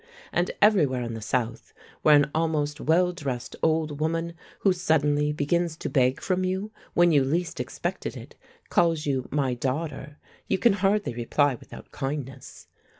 And everywhere in the South, where an almost well dressed old woman, who suddenly begins to beg from you when you least expected it, calls you "my daughter," you can hardly reply without kindness.